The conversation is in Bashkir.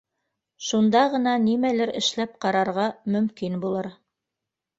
Шунда ғына нимәлер эшләп ҡарарға мөмкин булыр